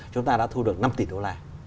chúng ta đã thu được năm tỷ đô la